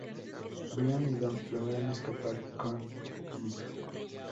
Brian y Dom logran escapar con Mr.